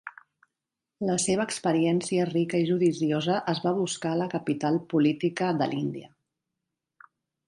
La seva experiència rica i judiciosa es va buscar a la capital política de l'Índia.